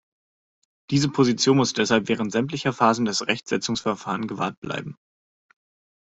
Diese Position muss deshalb während sämtlicher Phasen des Rechtsetzungsverfahrens gewahrt bleiben.